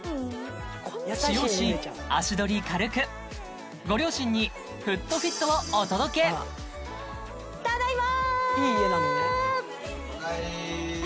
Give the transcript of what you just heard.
使用し足取り軽くご両親にＦｏｏｔＦｉｔをお届けただいま！